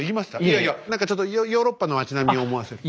いやいや何かちょっとヨーロッパの町並みを思わせる。